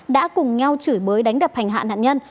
đã cùng nhau chửi bới đánh đập hành hạ nạn nhân